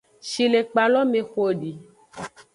Shilekpa lo me xo edi.